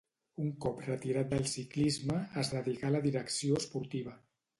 Un cop retirat del ciclisme, es dedicà a la direcció esportiva.